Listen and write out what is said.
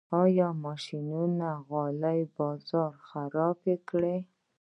آیا ماشیني غالۍ بازار خراب کړی؟